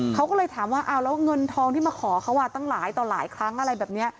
เขาก็เลยถามว่าเอาแล้วเงินทองที่มาขอเขาตั้งหลายต่อหลายครั้งอะไรแบบนี้